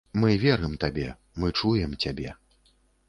Мы верым табе, мы чуем цябе.